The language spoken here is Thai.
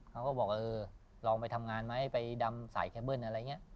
เขาก็บอกเออลองไปทำงานไหมไปดำสายเคเบิ้ลอะไรอย่างนี้